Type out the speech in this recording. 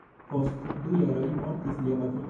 Post du jaroj mortis lia patrino.